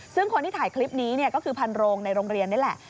ซึ่งคนที่ถ่ายคลิปนี้ก็คือพันโรงในโรงเรียนนี่แหละ